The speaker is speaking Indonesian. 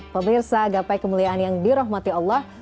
pemirsa gapai kemuliaan yang dirahmati allah